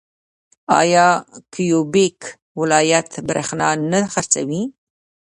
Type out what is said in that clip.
آیا کیوبیک ولایت بریښنا نه خرڅوي؟